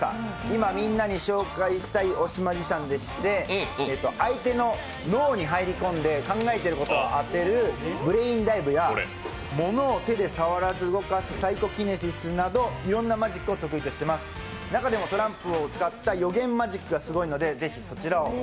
今みんなに紹介したい推しマジシャンでして相手の脳に入り込んで考えていることを当てるブレインダイブや物を手で触らず動かすサイコキネシスなど、いろんなマジックを得意としています、中でもトランプを使った予言マジックがすごいのでぜひそちらを。